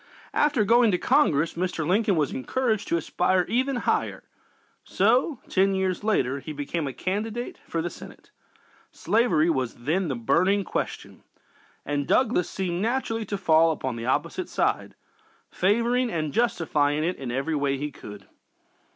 After going to Congress, Mr. Lincoln was encouraged to aspire even higher, so, ten years later, he became a candidate for the Senate. Slavery was then the burning question, and Douglas seemed naturally to fall upon the opposite side, favoring and justifying it in every way he could.